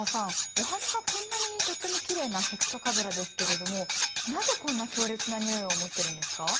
お花がこんなにとってもきれいなヘクソカズラですけれどもなぜこんな強烈なにおいを持ってるんですか？